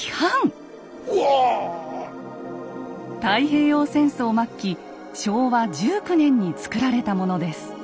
太平洋戦争末期昭和１９年に作られたものです。